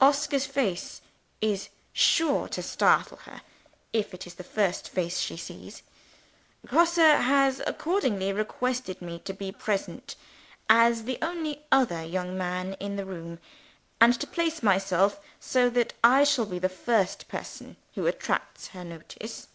Oscar's face is sure to startle her, if it is the first face she sees. Grosse has accordingly requested me to be present (as the only other young man in the room), and to place myself so that I shall be the first person who attracts her notice.